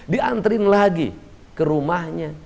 diantri lagi ke rumahnya